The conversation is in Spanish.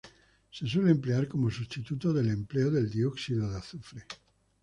Se suele emplear como substituto del empleo del dióxido de azufre.